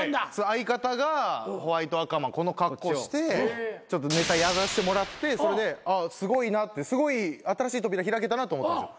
相方がホワイト赤マンこの格好してちょっとネタやらせてもらってそれですごいなすごい新しい扉開けたなと思ったんですよ。